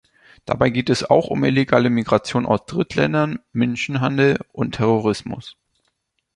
Dabei geht es auch um illegale Migration aus Drittländern, Menschenhandel und Terrorismus.